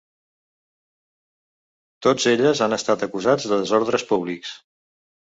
Tots elles han estat acusats de desordres públics.